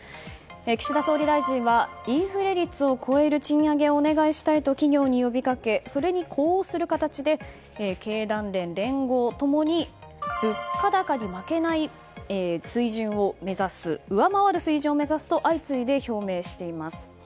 岸田総理大臣はインフレ率を超える賃上げをお願いしたいと企業に呼びかけそれに呼応する形で経団連連合ともに物価高に負けない水準を目指す上回る水準を目指すと表明しています。